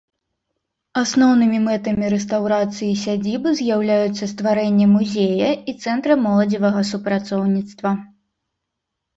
Асноўнымі мэтамі рэстаўрацыі сядзібы з'яўляюцца стварэнне музея і цэнтра моладзевага супрацоўніцтва.